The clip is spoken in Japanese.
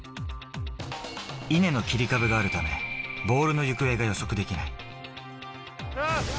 稲の切り株があるため、ボールの行方が予測できない。